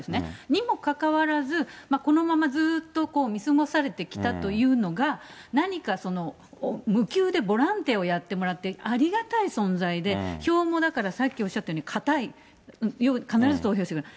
にもかかわらず、このままずっと見過ごされてきたというのが、何か無給でボランティアをやってもらって、ありがたい存在で、票もだから、さっきおっしゃったように固い、必ず投票してくれる。